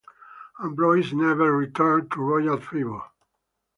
Amboise never returned to royal favour.